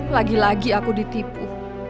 lagi lagi aku ditipu